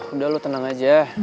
udah lu tenang aja